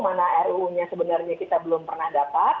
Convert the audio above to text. mana ruu nya sebenarnya kita belum pernah dapat